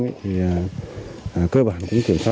thì cơ bản là công an xã thượng bằng la